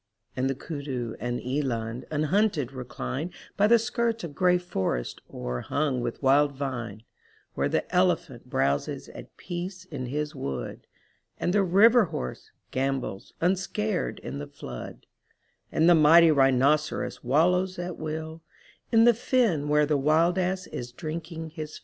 And the kudu and eland unhunted recline By the skirts of gray forest o'erhung with wild vine; Where the elephant browses at peace in his wood. And the river horse gambols unscared in the flood, And the mighty rhinoceros wallows at will In the fen where the wild ass is drinking his fill.